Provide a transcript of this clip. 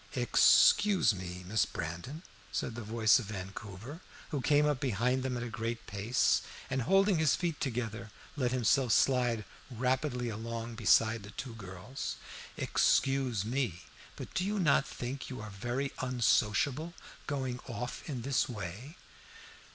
"Excuse me, Miss Brandon," said the voice of Vancouver, who came up behind them at a great pace, and holding his feet together let himself slide rapidly along beside the two girls, "excuse me, but do you not think you are very unsociable, going off in this way?"